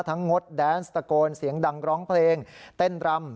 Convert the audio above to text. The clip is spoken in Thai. งดแดนส์ตะโกนเสียงดังร้องเพลงเต้นรำ